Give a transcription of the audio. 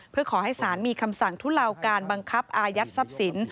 เพื่อขอให้ศาลมีคำสั่งทุเลาการบังคับอายัดทรัพย์สิน